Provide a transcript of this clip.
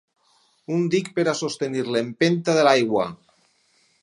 Un dic per a sostenir l'empenta de l'aigua.